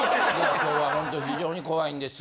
今日はほんと非常に怖いんですよ。